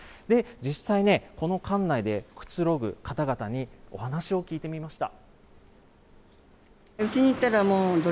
実際ね、このかんないでくつろぐ方々にお話を聞いてみました。